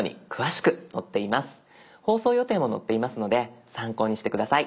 放送予定も載っていますので参考にして下さい。